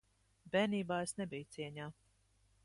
Bērnībā es nebiju cieņā.